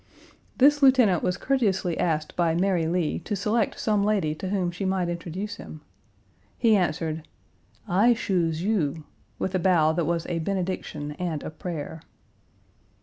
This lieutenant was courteously asked by Mary Lee to select some lady to whom she might introduce him. He answered: "I shuse you," with a bow that was a benediction and a prayer.